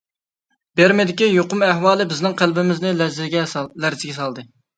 بىرمىدىكى يۇقۇم ئەھۋالى بىزنىڭ قەلبىمىزنى لەرزىگە سالدى.